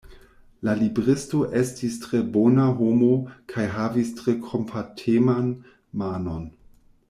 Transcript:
La libristo estis tre bona homo kaj havis tre kompateman manon.